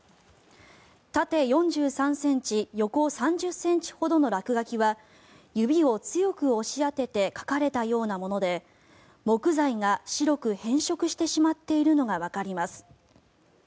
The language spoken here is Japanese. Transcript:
縦４３ｍ、横３０ｃｍほどの落書きは指を強く押し当てて描かれたようなもので木材が白く変色してしまっているのがわかります。